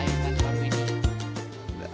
menyanyi dengan keinginan ini